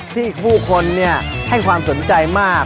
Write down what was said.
ที่ผู้คนให้ความสนใจมาก